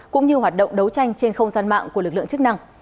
cũng như hoạt động đấu tranh trên không gian mạng của lực lượng chức năng